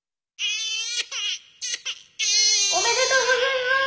・・おめでとうございます。